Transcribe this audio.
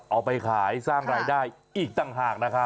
เอาไปขายสร้างรายได้อีกต่างหากนะครับ